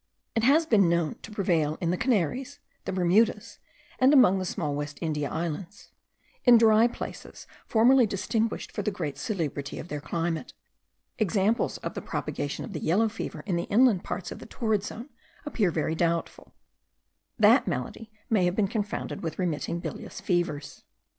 It has been known to prevail in the Canaries, the Bermudas, and among the small West India Islands, in dry places formerly distinguished for the great salubrity of their climate. Examples of the propagation of the yellow fever in the inland parts of the torrid zone appear very doubtful: that malady may have been confounded with remitting bilious fevers.